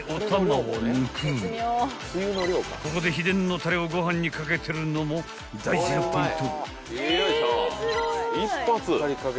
［ここで秘伝のたれをご飯に掛けてるのも大事なポイント］